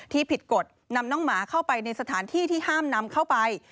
ผิดกฎนำน้องหมาเข้าไปในสถานที่ที่ห้ามนำเข้าไป